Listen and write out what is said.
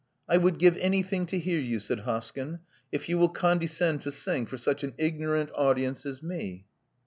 I would give anything to hear you,*' said Hoskyn, if you will condescend to sing for such an ignorant audience as me.'